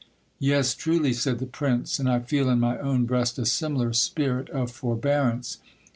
Yes, truly, said the prince, and I feel in my own breast a similar spirit of for bearance.